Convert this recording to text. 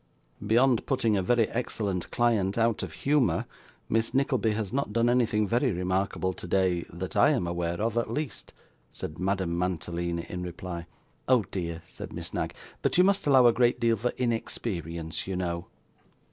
'Beyond putting a very excellent client out of humour, Miss Nickleby has not done anything very remarkable today that I am aware of, at least,' said Madame Mantalini in reply. 'Oh, dear!' said Miss Knag; 'but you must allow a great deal for inexperience, you know.